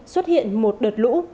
xuất hiện một đợt lũ